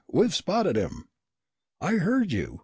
We've spotted him." "I heard you!"